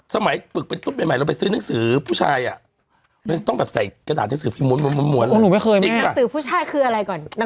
สมัยปรึกมาใหม่แล้วไปซื้อหนังสือผู้ชายมาต้องใส่หนังสือพิมพ์แบบมวลมโมนรวมกิ๊กอ่ะ